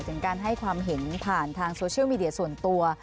ถึงการให้ความเห็นผ่านทางโซเชียลมีเดียส่วนตัว